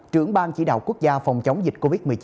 trưởng ban chỉ đạo quốc gia phòng chống dịch covid một mươi chín